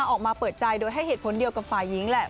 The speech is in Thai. ออกมาเปิดใจโดยให้เหตุผลเดียวกับฝ่ายหญิงแหละ